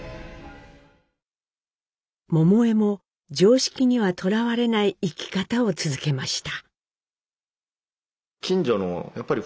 桃枝も常識にはとらわれない生き方を続けました。